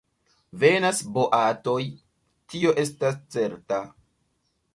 Venas boatoj, tio estas certa.